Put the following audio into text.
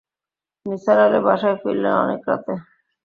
নিসার আলি বাসায় ফিরলেন অনেক রাতে।